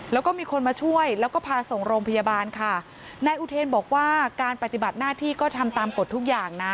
แล้วก็มีคนมาช่วยแล้วก็พาส่งโรงพยาบาลค่ะนายอุเทนบอกว่าการปฏิบัติหน้าที่ก็ทำตามกฎทุกอย่างนะ